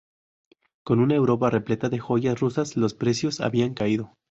Con una Europa repleta de joyas rusas, los precios habían caído.